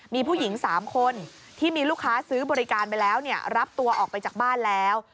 มีผู้หญิง๓คนที่มีลูกค้าซื้อบริการไปแล้วรับตัวออกไปจากบ้านแล้ว